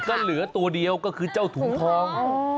ก็เหลือตัวเดียวก็คือเจ้าถุงทอง